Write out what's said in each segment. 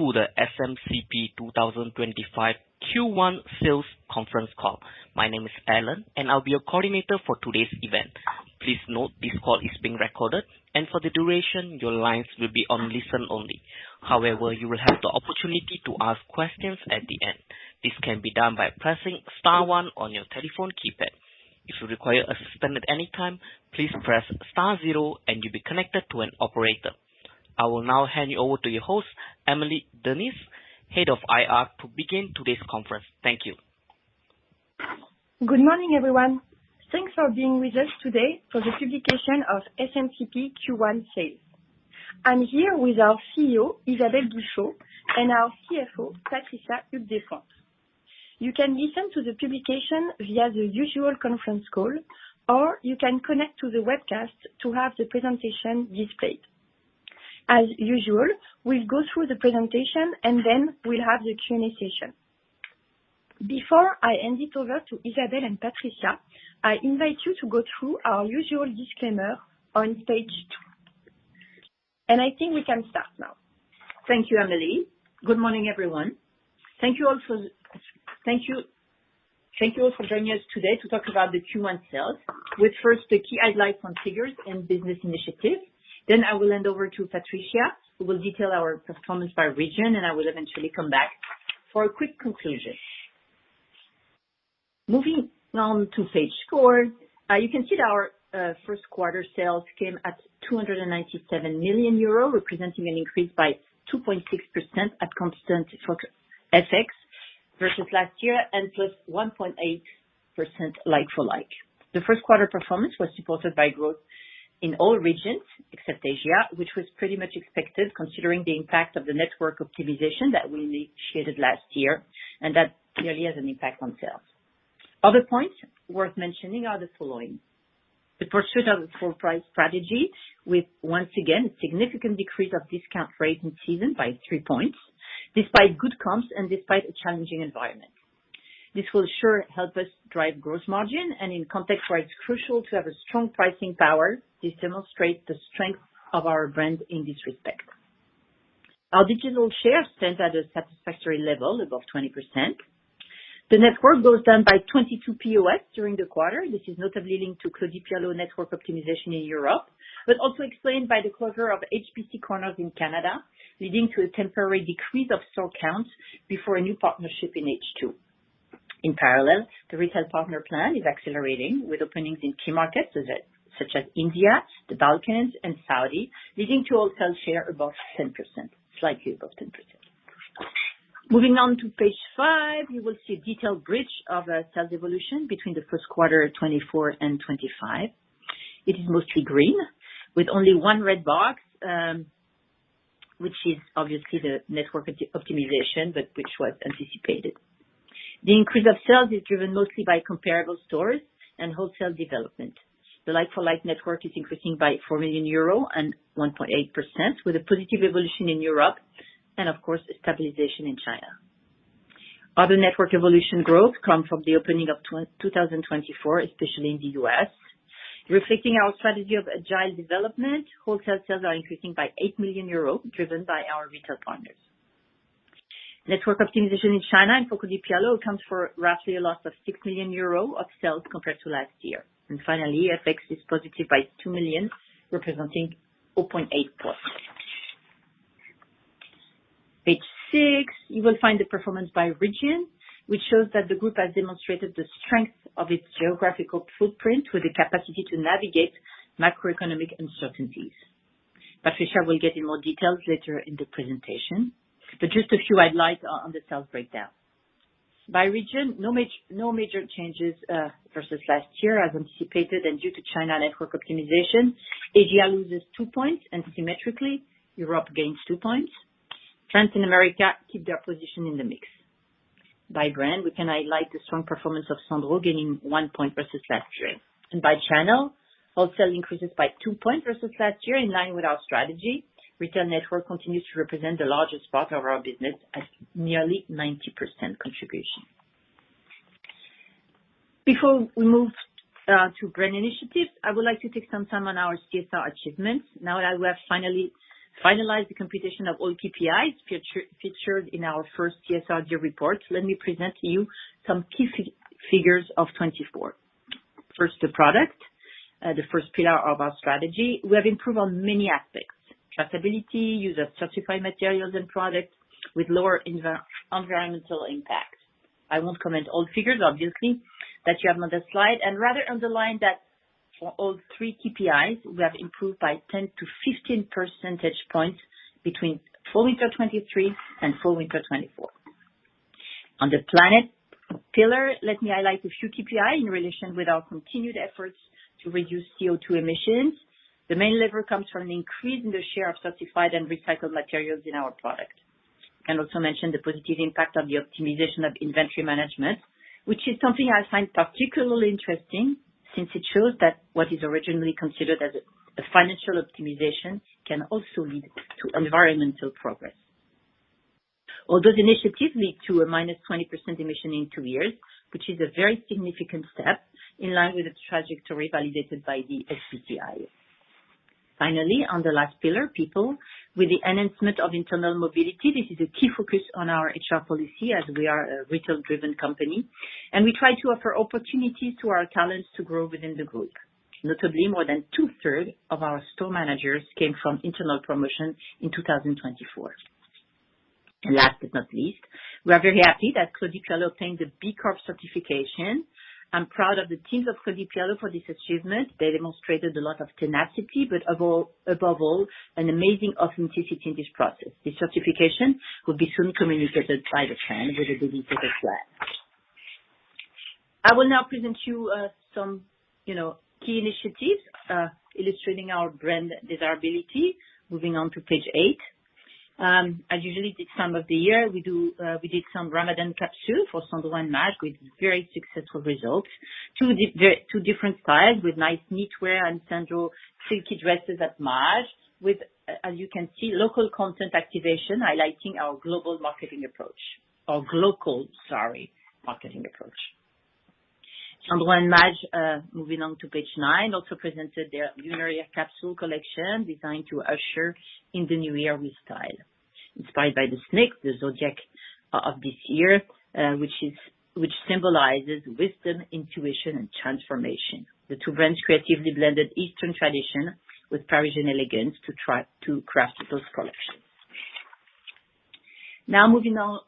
Welcome to the SMCP 2025 Q1 Sales Conference Call. My name is Alan, and I'll be your coordinator for today's event. Please note this call is being recorded, and for the duration, your lines will be on listen only. However, you will have the opportunity to ask questions at the end. This can be done by pressing star one on your telephone keypad. If you require assistance at any time, please press star zero, and you'll be connected to an operator. I will now hand you over to your host, Amélie Dernis, Head of IR, to begin today's conference. Thank you. Good morning, everyone. Thanks for being with us today for the publication of SMCP Q1 Sales. I'm here with our CEO, Isabelle Guichot, and our CFO, Patricia Despointes. You can listen to the publication via the usual conference call, or you can connect to the webcast to have the presentation displayed. As usual, we'll go through the presentation, and then we'll have the Q&A session. Before I hand it over to Isabelle and Patricia, I invite you to go through our usual disclaimer on page two. I think we can start now. Thank you, Amélie. Good morning, everyone. Thank you all for joining us today to talk about the Q1 sales, with first the key highlights on figures and business initiatives. I will hand over to Patricia, who will detail our performance by region, and I will eventually come back for a quick conclusion. Moving on to page four, you can see that our first quarter sales came at 297 million euro, representing an increase by 2.6% at constant effects versus last year and plus 1.8% like-for-like. The first quarter performance was supported by growth in all regions except Asia, which was pretty much expected considering the impact of the network optimization that we initiated last year, and that clearly has an impact on sales. Other points worth mentioning are the following: the pursuit of a full-price strategy, with once again a significant decrease of discount rates in season by three percentage points, despite good comps and despite a challenging environment. This will sure help us drive gross margin, and in contexts where it's crucial to have a strong pricing power, this demonstrates the strength of our brand in this respect. Our digital share stands at a satisfactory level above 20%. The network growth done by 22 POS during the quarter. This is notably linked to Claudie Pierlot network optimization in Europe, but also explained by the closure of HBC corners in Canada, leading to a temporary decrease of store counts before a new partnership in H2. In parallel, the retail partner plan is accelerating with openings in key markets such as India, the Balkans, and Saudi Arabia, leading to wholesale share above 10%, slightly above 10%. Moving on to page five, you will see a detailed bridge of sales evolution between the first quarter 2024 and 2025. It is mostly green, with only one red box, which is obviously the network optimization, but which was anticipated. The increase of sales is driven mostly by comparable stores and wholesale development. The like-for-like network is increasing by 4 million euro and 1.8%, with a positive evolution in Europe and, of course, stabilization in China. Other network evolution growth comes from the opening of 2024, especially in the US, reflecting our strategy of agile development. Wholesale sales are increasing by 8 million euros, driven by our retail partners. Network optimization in China and for Claudie Pierlot accounts for roughly a loss of 6 million euro of sales compared to last year. Finally, effects is positive by 2 million, representing 0.8 percentage points. Page six, you will find the performance by region, which shows that the group has demonstrated the strength of its geographical footprint with the capacity to navigate macroeconomic uncertainties. Patricia will get in more details later in the presentation, but just a few highlights on the sales breakdown. By region, no major changes versus last year, as anticipated, and due to China network optimization, Asia loses two percentage points, and symmetrically, Europe gains two percentage points. France and America keep their position in the mix. By brand, we can highlight the strong performance of Sandro, gaining one percentage point versus last year. By channel, wholesale increases by two percentage points versus last year, in line with our strategy. Retail network continues to represent the largest part of our business at nearly 90% contribution. Before we move to brand initiatives, I would like to take some time on our CSR achievements. Now that we have finally finalized the computation of all KPIs featured in our first CSRD report, let me present to you some key figures of 2024. First, the product, the first pillar of our strategy. We have improved on many aspects: tractability, use of certified materials and products with lower environmental impact. I won't comment on figures, obviously, that you have on the slide, and rather underline that for all three KPIs, we have improved by 10-15 percentage points between fall winter 2023 and fall winter 2024. On the planet pillar, let me highlight a few KPIs in relation with our continued efforts to reduce CO2 emissions. The main lever comes from an increase in the share of certified and recycled materials in our product. I can also mention the positive impact of the optimization of inventory management, which is something I find particularly interesting since it shows that what is originally considered as a financial optimization can also lead to environmental progress. All those initiatives lead to a minus 20% emission in two years, which is a very significant step in line with the trajectory validated by the SBTI. Finally, on the last pillar, people, with the enhancement of internal mobility, this is a key focus on our HR policy as we are a retail-driven company, and we try to offer opportunities to our talents to grow within the group. Notably, more than two-thirds of our store managers came from internal promotion in 2024. Last but not least, we are very happy that Claudie Pierlot obtained the B Corp certification. I'm proud of the teams of Claudie Pierlot for this achievement. They demonstrated a lot of tenacity, but above all, an amazing authenticity in this process. This certification will be soon communicated by the plan with the delegated flag. I will now present to you some key initiatives illustrating our brand desirability. Moving on to page eight, as usually this time of the year, we did some Ramadan capsule for Sandro and Maje with very successful results. Two different styles with nice knitwear and Sandro silky dresses at Maje, with, as you can see, local content activation highlighting our global marketing approach, or glocal, sorry, marketing approach. Sandro and Maje, moving on to page nine, also presented their Lunaria capsule collection designed to usher in the new year with style. Inspired by the Snake, the zodiac of this year, which symbolizes wisdom, intuition, and transformation. The two brands creatively blended Eastern tradition with Parisian elegance to craft those collections. Now moving on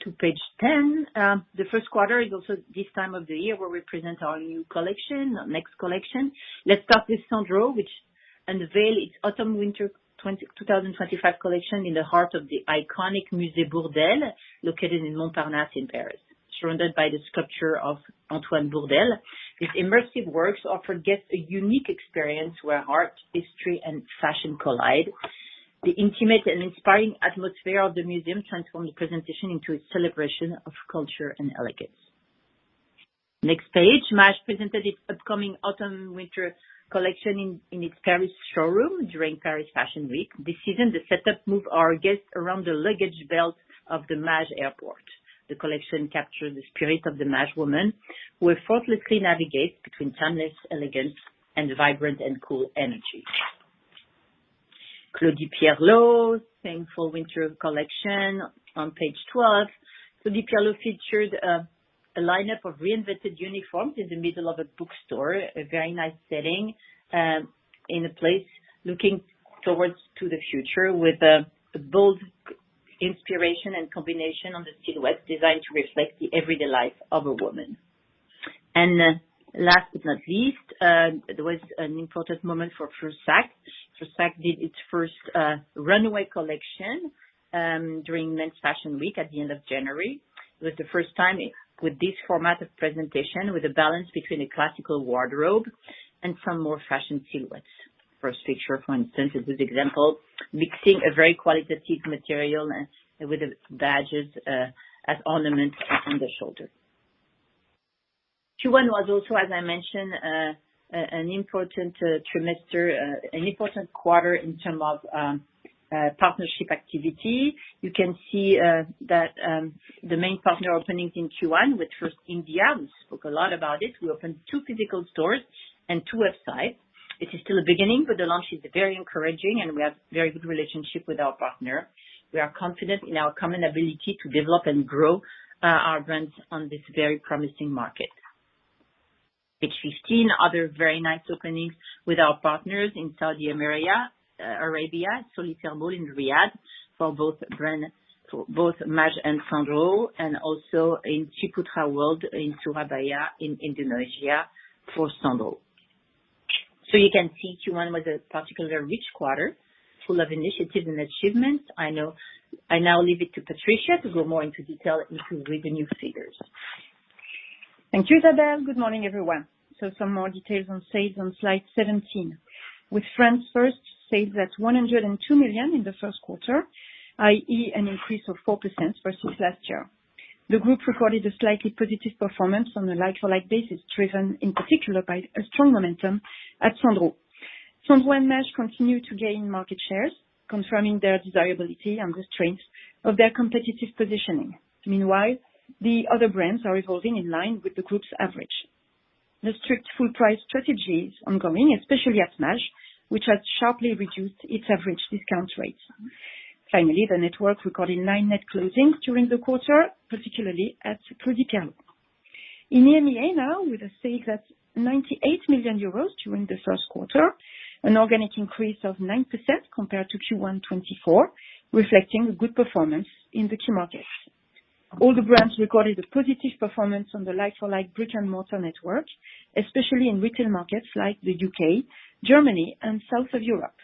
to page ten, the first quarter is also this time of the year where we present our new collection, our next collection. Let's start with Sandro, which unveiled its Autumn/Winter 2025 collection in the heart of the iconic Musée Bourdelle, located in Montparnasse in Paris. Surrounded by the sculpture of Antoine Bourdelle, these immersive works offer guests a unique experience where art, history, and fashion collide. The intimate and inspiring atmosphere of the museum transformed the presentation into a celebration of culture and elegance. Next page, Maje presented its upcoming Autumn/Winter collection in its Paris showroom during Paris Fashion Week. This season, the setup moved our guests around the luggage belt of the Maje Airport. The collection captures the spirit of the Maje woman, who effortlessly navigates between timeless elegance and vibrant and cool energy. Claudie Pierlot, same fall/winter collection. On page 12, Claudie Pierlot featured a lineup of reinvented uniforms in the middle of a bookstore, a very nice setting in a place looking towards the future with a bold inspiration and combination on the silhouette designed to reflect the everyday life of a woman. Last but not least, there was an important moment for Fursac. Fursac did its first runway collection during Men's Fashion Week at the end of January. It was the first time with this format of presentation, with a balance between a classical wardrobe and some more fashion silhouettes. First picture, for instance, is this example, mixing a very qualitative material with badges as ornaments on the shoulder. Q1 was also, as I mentioned, an important trimester, an important quarter in terms of partnership activity. You can see that the main partner openings in Q1 with first India. We spoke a lot about it. We opened two physical stores and two websites. It is still the beginning, but the launch is very encouraging, and we have a very good relationship with our partner. We are confident in our common ability to develop and grow our brands on this very promising market. Page 15, other very nice openings with our partners in Saudi Arabia, Soli Thermal in Riyadh for both Maje and Sandro, and also in Ciputra World in Surabaya in Indonesia for Sandro. You can see Q1 was a particularly rich quarter full of initiatives and achievements. I now leave it to Patricia to go more into detail into reading new figures. Thank you, Isabelle. Good morning, everyone. Some more details on sales on slide 17. With France first, sales at 102 million in the first quarter, i.e., an increase of 4% versus last year. The group recorded a slightly positive performance on a like-for-like basis, driven in particular by a strong momentum at Sandro. Sandro and Maje continue to gain market shares, confirming their desirability and the strength of their competitive positioning. Meanwhile, the other brands are evolving in line with the group's average. The strict full-price strategy is ongoing, especially at Maje, which has sharply reduced its average discount rates. Finally, the network recorded nine net closings during the quarter, particularly at Claudie Pierlot. In EMEA now, with sales at 98 million euros during the first quarter, an organic increase of 9% compared to Q1 2024, reflecting good performance in the key markets. All the brands recorded a positive performance on the like-for-like brick-and-mortar network, especially in retail markets like the U.K., Germany, and south of Europe.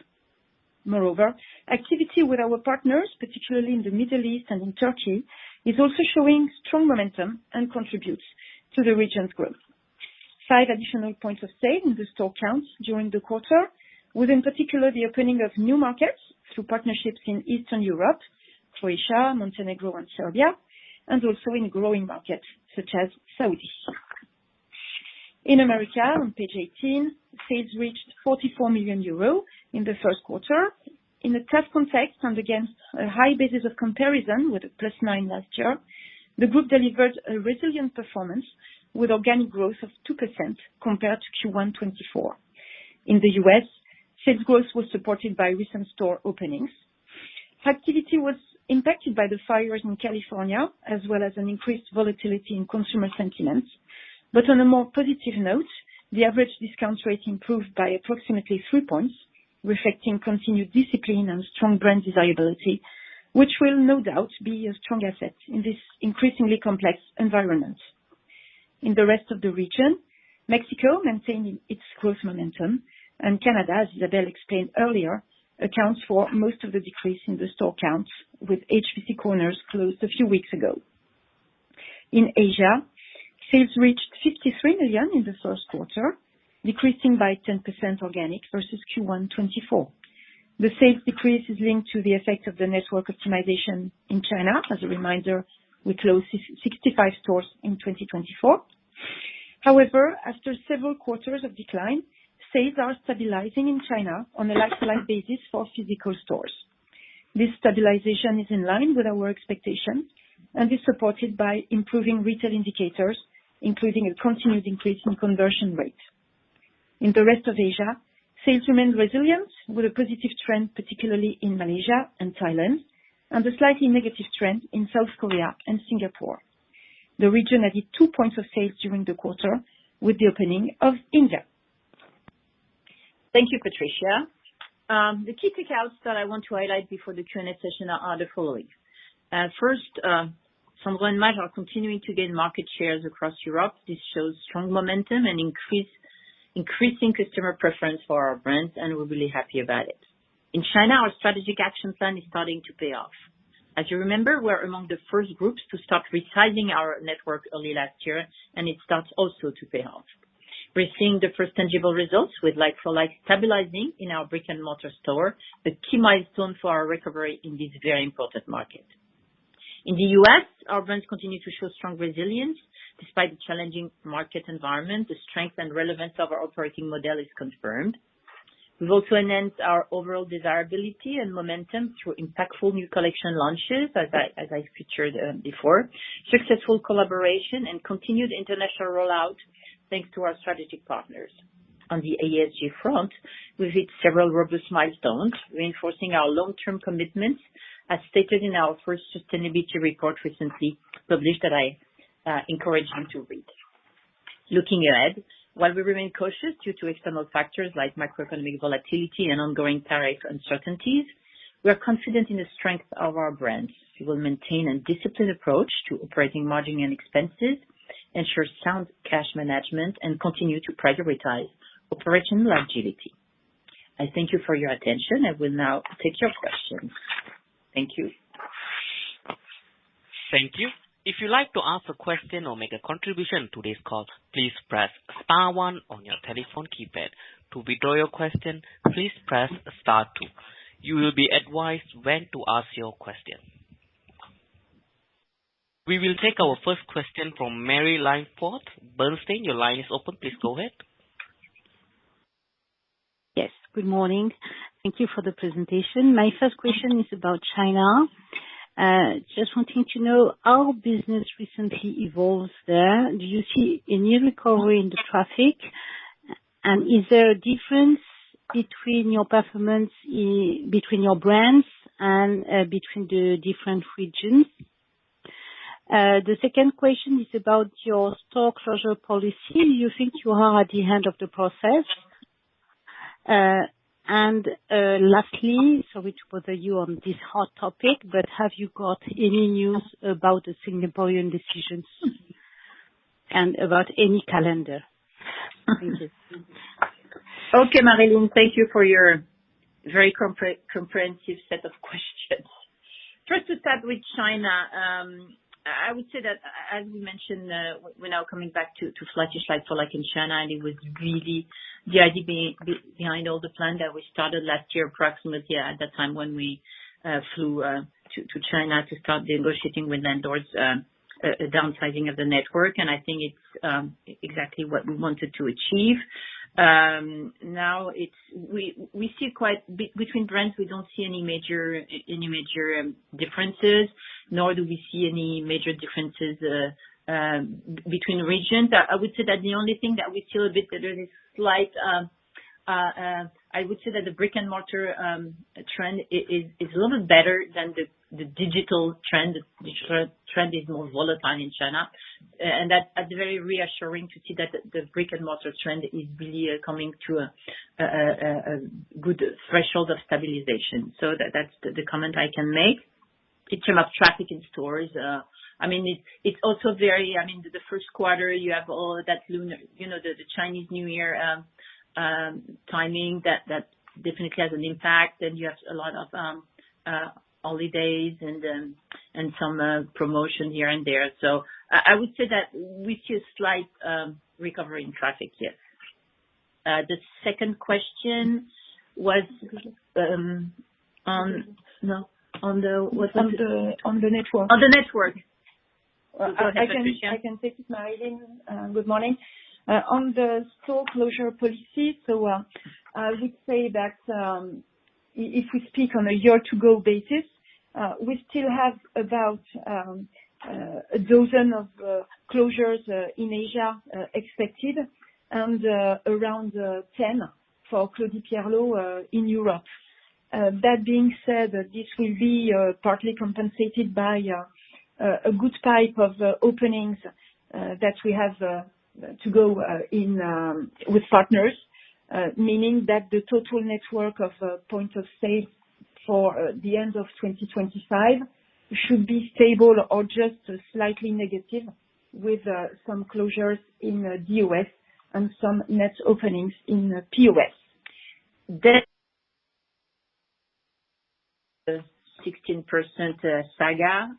Moreover, activity with our partners, particularly in the Middle East and in Turkey, is also showing strong momentum and contributes to the region's growth. Five additional points of sale in the store counts during the quarter, with in particular the opening of new markets through partnerships in Eastern Europe, Croatia, Montenegro, and Serbia, and also in growing markets such as Saudi. In America, on page 18, sales reached 44 million euro in the first quarter. In a tough context and against a high basis of comparison with a plus 9% last year, the group delivered a resilient performance with organic growth of 2% compared to Q1 2024. In the US, sales growth was supported by recent store openings. Activity was impacted by the fires in California, as well as an increased volatility in consumer sentiments. On a more positive note, the average discount rate improved by approximately three percentage points, reflecting continued discipline and strong brand desirability, which will no doubt be a strong asset in this increasingly complex environment. In the rest of the region, Mexico maintained its growth momentum, and Canada, as Isabelle explained earlier, accounts for most of the decrease in the store counts, with HBC corners closed a few weeks ago. In Asia, sales reached 53 million in the first quarter, decreasing by 10% organic versus Q1 2024. The sales decrease is linked to the effect of the network optimization in China. As a reminder, we closed 65 stores in 2024. However, after several quarters of decline, sales are stabilizing in China on a like-for-like basis for physical stores. This stabilization is in line with our expectations, and it is supported by improving retail indicators, including a continued increase in conversion rates. In the rest of Asia, sales remain resilient, with a positive trend, particularly in Malaysia and Thailand, and a slightly negative trend in South Korea and Singapore. The region added two points of sale during the quarter with the opening of India. Thank you, Patricia. The key takeouts that I want to highlight before the Q&A session are the following. First, Sandro and Maje are continuing to gain market shares across Europe. This shows strong momentum and increasing customer preference for our brands, and we're really happy about it. In China, our strategic action plan is starting to pay off. As you remember, we're among the first groups to start resizing our network early last year, and it starts also to pay off. We're seeing the first tangible results with like-for-like stabilizing in our brick-and-mortar store, a key milestone for our recovery in this very important market. In the US, our brands continue to show strong resilience. Despite the challenging market environment, the strength and relevance of our operating model is confirmed. We've also enhanced our overall desirability and momentum through impactful new collection launches, as I featured before, successful collaboration, and continued international rollout thanks to our strategic partners. On the AESG front, we've hit several robust milestones, reinforcing our long-term commitments, as stated in our first sustainability report recently published that I encourage you to read. Looking ahead, while we remain cautious due to external factors like macroeconomic volatility and ongoing tariff uncertainties, we are confident in the strength of our brands. We will maintain a disciplined approach to operating margin and expenses, ensure sound cash management, and continue to prioritize operational agility. I thank you for your attention. I will now take your questions. Thank you. Thank you. If you'd like to ask a question or make a contribution to this call, please press star one on your telephone keypad. To withdraw your question, please press star two. You will be advised when to ask your question. We will take our first question from Mary Lymeforth Burnstein. Your line is open. Please go ahead. Yes. Good morning. Thank you for the presentation. My first question is about China. Just wanting to know, our business recently evolves there. Do you see a new recovery in the traffic? Is there a difference between your performance between your brands and between the different regions? The second question is about your store closure policy. Do you think you are at the end of the process? Lastly, sorry to bother you on this hot topic, but have you got any news about the Singaporean decisions and about any calendar? Thank you. Okay, Marilyn, thank you for your very comprehensive set of questions. First, to start with China, I would say that, as we mentioned, we're now coming back to flight to like-for-like in China, and it was really the idea behind all the plan that we started last year approximately at that time when we flew to China to start negotiating with vendors downsizing of the network. I think it's exactly what we wanted to achieve. Now, we see quite between brands, we don't see any major differences, nor do we see any major differences between regions. I would say that the only thing that we feel a bit there is a slight, I would say that the brick-and-mortar trend is a little bit better than the digital trend. The digital trend is more volatile in China. That is very reassuring to see that the brick-and-mortar trend is really coming to a good threshold of stabilization. That is the comment I can make. In terms of traffic in stores, I mean, it is also very, I mean, the first quarter, you have all that the Chinese New Year timing that definitely has an impact, and you have a lot of holidays and some promotion here and there. I would say that we see a slight recovery in traffic, yes. The second question was on the, what was it? On the network. On the network. Go ahead, Patricia. I can take it, Marlene. Good morning. On the store closure policy, I would say that if we speak on a year-to-go basis, we still have about a dozen of closures in Asia expected and around 10 for Claudie Pierlot in Europe. That being said, this will be partly compensated by a good pipe of openings that we have to go with partners, meaning that the total network of points of sale for the end of 2025 should be stable or just slightly negative with some closures in DOS and some net openings in POS. Sixteen percent SAGA.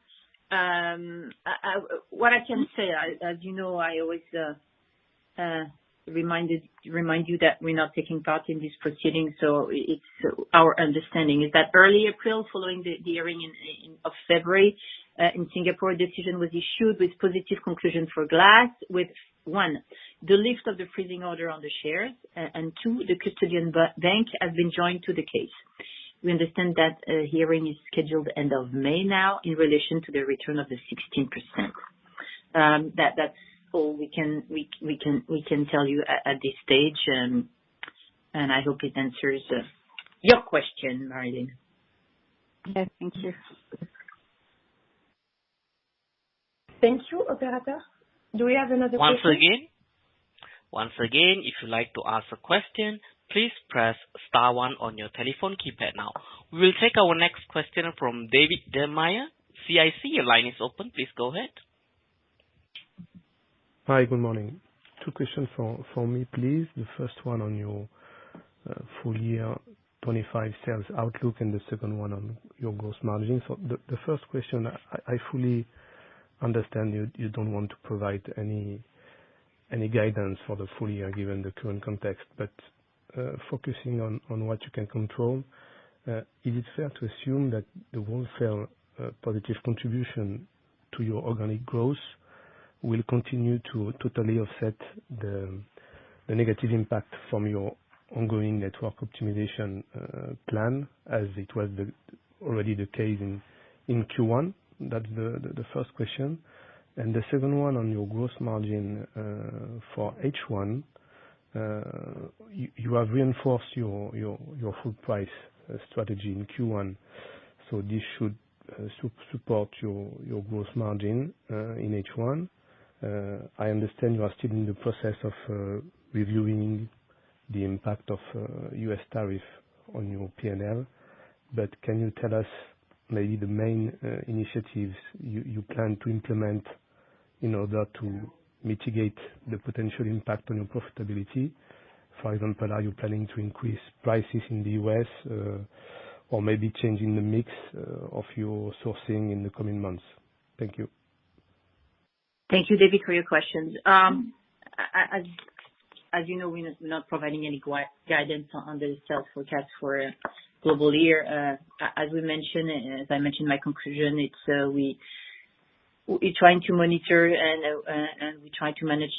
What I can say, as you know, I always remind you that we're not taking part in this proceeding, so it's our understanding is that early April, following the hearing of February in Singapore, a decision was issued with positive conclusion for glass with, one, the lift of the freezing order on the shares, and two, the custodian bank has been joined to the case. We understand that hearing is scheduled end of May now in relation to the return of the 16%. That's all we can tell you at this stage, and I hope it answers your question, Marilyn. Yes, thank you. Thank you, operator. Do we have another question? Once again, if you'd like to ask a question, please press star one on your telephone keypad now. We will take our next question from David Derrien, CIC. Your line is open. Please go ahead. Hi, good morning. Two questions for me, please. The first one on your full year 2025 sales outlook and the second one on your gross margin. The first question, I fully understand you don't want to provide any guidance for the full year given the current context, but focusing on what you can control, is it fair to assume that the welfare positive contribution to your organic growth will continue to totally offset the negative impact from your ongoing network optimization plan, as it was already the case in Q1? That's the first question. The second one on your gross margin for H1, you have reinforced your full price strategy in Q1, so this should support your gross margin in H1. I understand you are still in the process of reviewing the impact of US tariff on your P&L, but can you tell us maybe the main initiatives you plan to implement in order to mitigate the potential impact on your profitability? For example, are you planning to increase prices in the US or maybe changing the mix of your sourcing in the coming months? Thank you. Thank you, David, for your questions. As you know, we're not providing any guidance on the sales forecast for global year. As we mentioned, as I mentioned, my conclusion, we're trying to monitor and we try to manage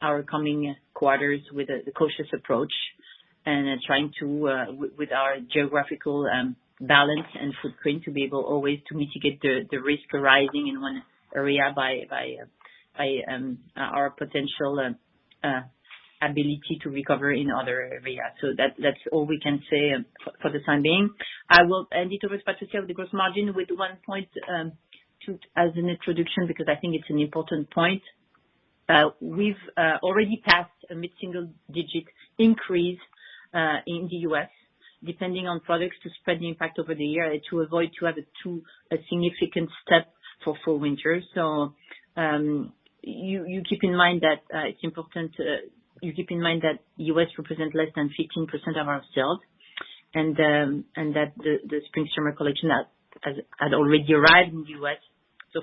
our coming quarters with a cautious approach and trying to, with our geographical balance and footprint, to be able always to mitigate the risk arising in one area by our potential ability to recover in other areas. That is all we can say for the time being. I will hand it over to Patricia with the gross margin with one point as an introduction because I think it is an important point. We've already passed a mid-single-digit increase in the US depending on products to spread the impact over the year to avoid having a significant step for fall winter. You keep in mind that it's important you keep in mind that US represents less than 15% of our sales and that the spring-summer collection has already arrived in the US.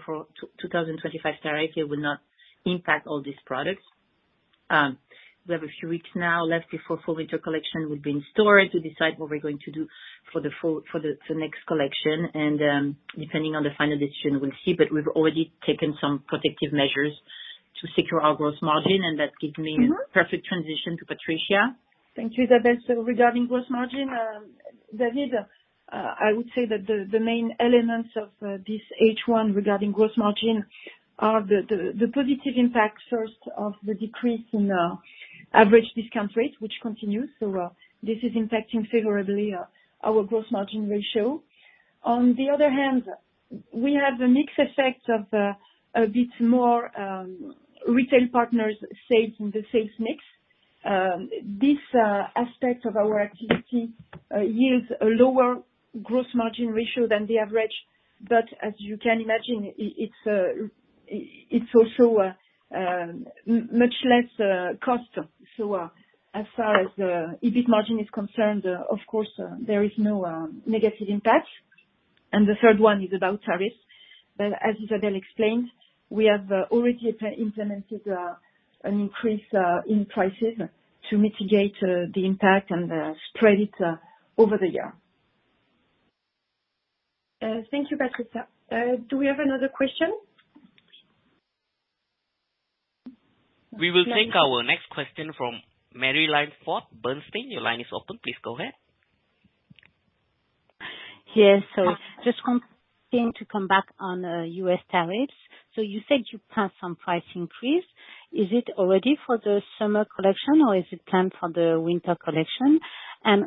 For 2025 tariff, it will not impact all these products. We have a few weeks now left before fall winter collection will be in store to decide what we're going to do for the next collection. Depending on the final decision, we'll see. We've already taken some protective measures to secure our gross margin, and that gives me a perfect transition to Patricia. Thank you, Isabelle. Regarding gross margin, David, I would say that the main elements of this H1 regarding gross margin are the positive impact first of the decrease in average discount rate, which continues. This is impacting favorably our gross margin ratio. On the other hand, we have a mixed effect of a bit more retail partners' sales in the sales mix. This aspect of our activity yields a lower gross margin ratio than the average, but as you can imagine, it is also much less cost. As far as the EBIT margin is concerned, of course, there is no negative impact. The third one is about tariffs. As Isabelle explained, we have already implemented an increase in prices to mitigate the impact and spread it over the year. Thank you, Patricia. Do we have another question? We will take our next question from Mary Lymeforth Burnstein. Your line is open. Please go ahead. Yes. Just continuing to come back on US tariffs. You said you passed some price increase. Is it already for the summer collection, or is it planned for the winter collection?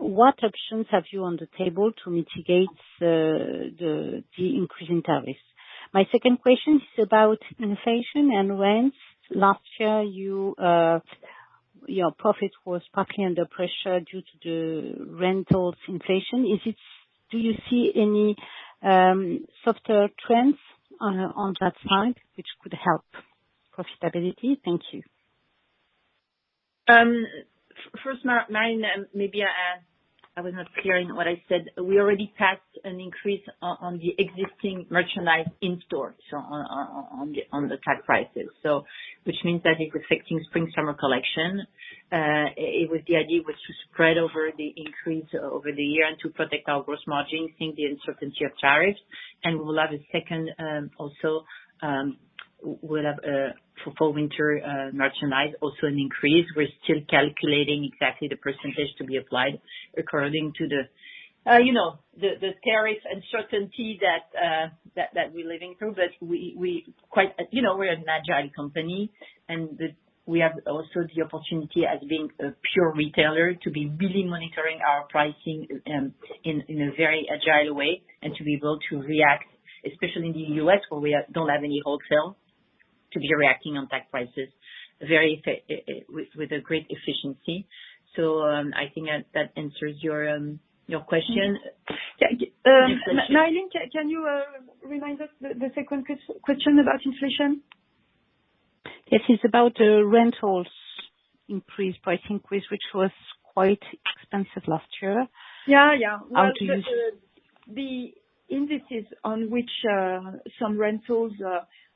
What options have you on the table to mitigate the increase in tariffs? My second question is about inflation and rents. Last year, your profit was partly under pressure due to the rental inflation. Do you see any softer trends on that side which could help profitability? Thank you. First, maybe I was not clear in what I said. We already passed an increase on the existing merchandise in store, so on the tax prices, which means that it is affecting spring-summer collection. The idea was to spread the increase over the year and to protect our gross margin since the uncertainty of tariffs. We will have a second also. We'll have for fall winter merchandise also an increase. We're still calculating exactly the percentage to be applied according to the tariff uncertainty that we're living through. We are an agile company, and we have also the opportunity as being a pure retailer to be really monitoring our pricing in a very agile way and to be able to react, especially in the U.S. where we do not have any wholesale, to be reacting on tax prices with great efficiency. I think that answers your question. Marilyn, can you remind us the second question about inflation? Yes. It's about rentals increase, price increase, which was quite expensive last year. Yes, yes. The indices on which some rentals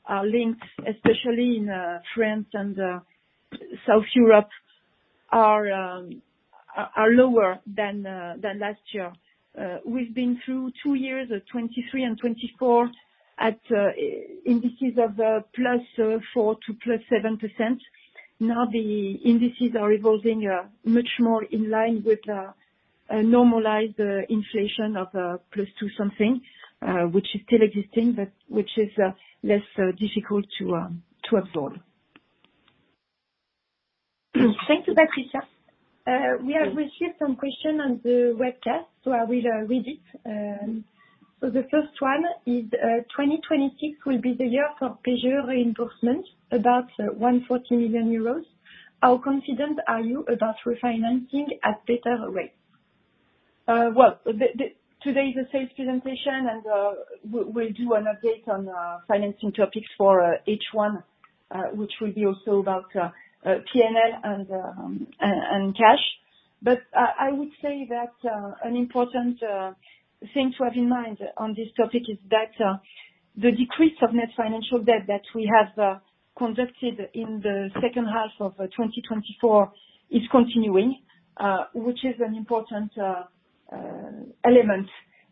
are linked, especially in France and South Europe, are lower than last year. We've been through two years, 2023 and 2024, at indices of plus 4% to plus 7%. Now, the indices are evolving much more in line with normalized inflation of plus 2% something, which is still existing, but which is less difficult to absorb. Thank you, Patricia. We have received some questions on the webcast, so I will read it. The first one is, 2026 will be the year for PESEL reimbursement, about 140 million euros. How confident are you about refinancing at better rates? Today's sales presentation, and we'll do an update on financing topics for H1, which will be also about P&L and cash. I would say that an important thing to have in mind on this topic is that the decrease of net financial debt that we have conducted in the second half of 2024 is continuing, which is an important element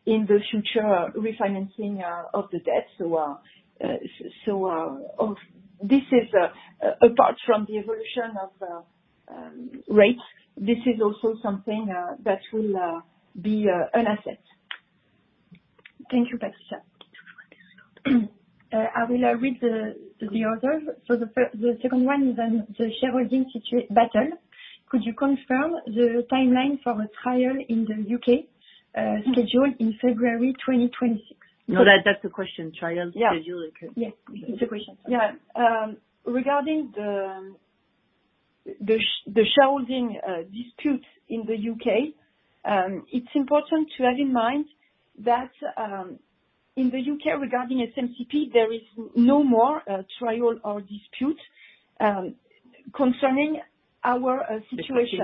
in the future refinancing of the debt. This is, apart from the evolution of rates, also something that will be an asset. Thank you, Patricia. I will read the order. The second one is the shareholding battle. Could you confirm the timeline for a trial in the U.K. scheduled in February 2026? No, that's a question. Trial scheduled? Yeah. Yes, it's a question. Yeah. Regarding the shareholding disputes in the U.K., it's important to have in mind that in the U.K., regarding SMCP, there is no more trial or dispute concerning our situation.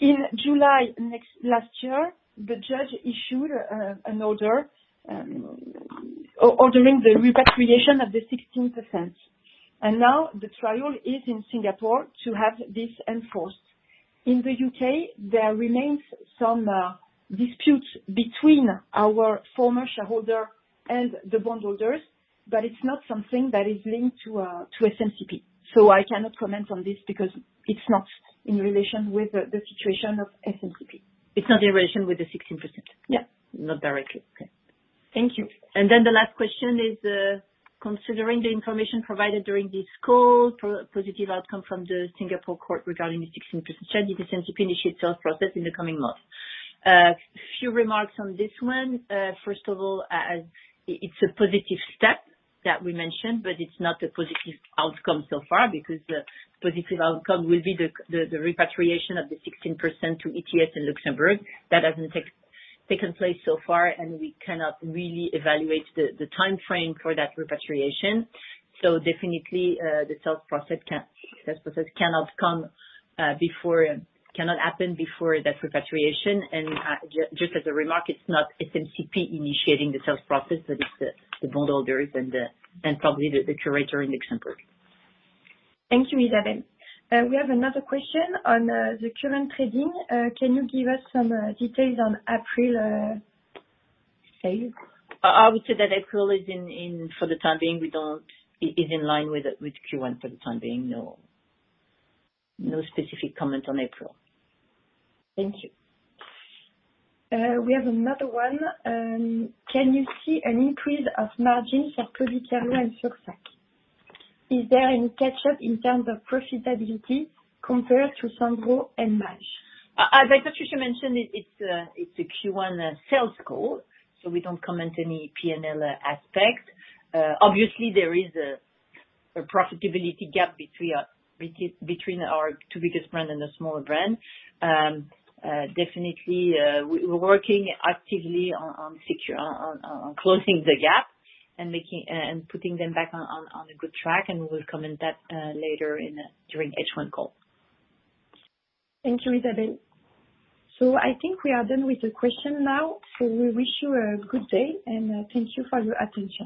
In July last year, the judge issued an order ordering the repatriation of the 16%. Now the trial is in Singapore to have this enforced. In the U.K., there remains some disputes between our former shareholder and the bondholders, but it's not something that is linked to SMCP. I cannot comment on this because it's not in relation with the situation of SMCP. It's not in relation with the 16%? Yeah. Not directly. Okay. Thank you. The last question is, considering the information provided during this call, positive outcome from the Singapore court regarding the 16% share, did SMCP initiate sales process in the coming months? A few remarks on this one. First of all, it's a positive step that we mentioned, but it's not a positive outcome so far because the positive outcome will be the repatriation of the 16% to ETS in Luxembourg. That has not taken place so far, and we cannot really evaluate the timeframe for that repatriation. Definitely, the sales process cannot come before it cannot happen before that repatriation. Just as a remark, it is not SMCP initiating the sales process, but it is the bondholders and probably the curator in Luxembourg. Thank you, Isabelle. We have another question on the current trading. Can you give us some details on April sales? I would say that April is, for the time being, we do not it is in line with Q1 for the time being. No specific comment on April. Thank you. We have another one. Can you see an increase of margin for Fursac and Fursac? Is there any catch-up in terms of profitability compared to Sandro and Maje? As I thought you should mention, it is a Q1 sales call, so we do not comment any P&L aspect. Obviously, there is a profitability gap between our two biggest brands and the smaller brand. Definitely, we're working actively on closing the gap and putting them back on a good track, and we'll comment that later during H1 call. Thank you, Isabelle. I think we are done with the question now. We wish you a good day, and thank you for your attention.